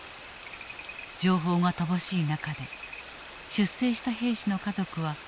情報が乏しい中で出征した兵士の家族はその無事を願っていた。